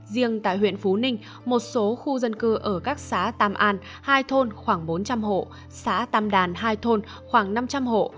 riêng tại huyện phú ninh một số khu dân cư ở các xã tam an hai thôn khoảng bốn trăm linh hộ xã tam đàn hai thôn khoảng năm trăm linh hộ